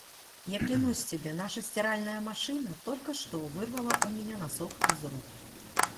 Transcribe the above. Я клянусь тебе, наша стиральная машина только что вырвала у меня носок из рук!